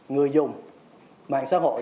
người dùng mạng xã hội